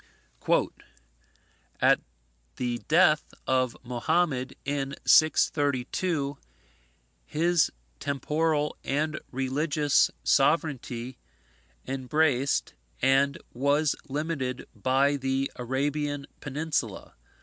"At the death of Mohammad, in 632, his temporal and religious sovereignty embraced and was limited by the Arabian Peninsula.